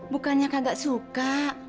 bukannya kagak suka